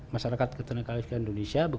masyarakat ketenagakalistik indonesia